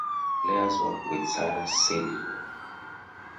Players work with Sara Sidle.